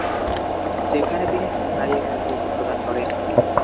যেখানে তিনি ছিনতাই এর নেতৃত্ব প্রদান করেন।